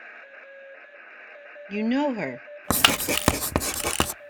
You know her, then?